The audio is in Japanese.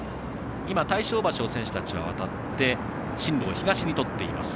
大正橋を選手たちは渡って進路を東にとっています。